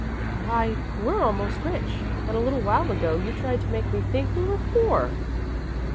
"Why, we're almost rich, and a little while ago you tried to make me think we were poor!"